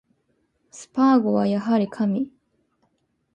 スパーゴはやはり神